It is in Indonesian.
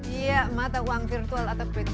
iya mata uang virtual atau kritik